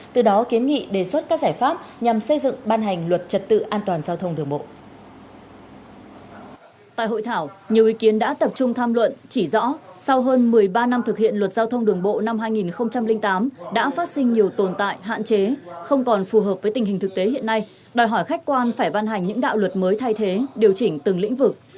tại hội thảo nhiều ý kiến đã tập trung tham luận chỉ rõ sau hơn một mươi ba năm thực hiện luật giao thông đường bộ năm hai nghìn tám đã phát sinh nhiều tồn tại hạn chế không còn phù hợp với tình hình thực tế hiện nay đòi hỏi khách quan phải ban hành những đạo luật mới thay thế điều chỉnh từng lĩnh vực